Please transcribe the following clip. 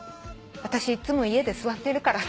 「あたしいっつも家で座ってるから」